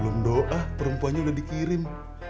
belum doa perempuannya udah dikirim